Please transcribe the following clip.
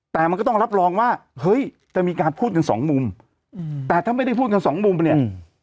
แต่มันก็ต้องรับรองว่าเฮ้ยจะมีการพูดกันสองมุมอืมแต่ถ้าไม่ได้พูดกันสองมุมเนี่ย